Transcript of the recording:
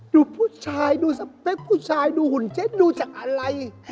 ดูผู้ชายดูสเปคผู้ชายดูหุ่นเจ๊ดูจากอะไร